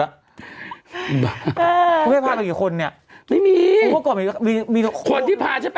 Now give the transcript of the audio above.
แล้วท่านก็เป็นเปล่ากัน